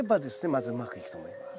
まずうまくいくと思います。